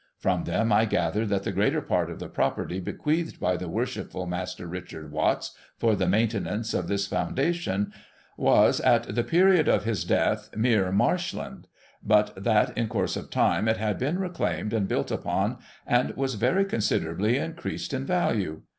From them I gathered that the greater part of the property bequeathed by the Worshipful Master Richard Watts for the maintenance of this foundation was, at the period of his death, mere marshland ; but that, in course of time, it had been reclaimed and built upon, and was very considerably increased in value.